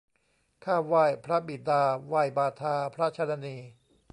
ข้าไหว้พระบิดา ไหว้บาทาพระชนนี